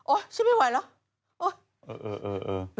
โอ๊ยชื่อไม่ไหวเหรอ